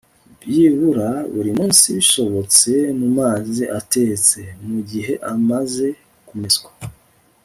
byibura buri munsi bishobotse mu mazi atetse. mu gihe amaze kumeswa